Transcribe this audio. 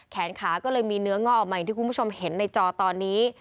แขนขาก็เลยมีเนื้อง่อออกมาอย่างที่คุณผู้ชมเห็นในจอตอนนี้